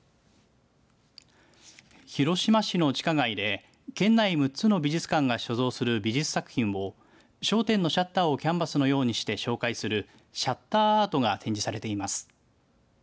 広島市の地下街で県内６つの美術館が所蔵する美術作品を商店のシャッターをキャンバスのようにして紹介するシャッターアートが展示されています。